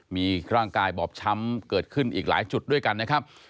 มีร่างกายบอบช้ำเกิดขึ้นอีกหลายจุดด้วยกันนะครับ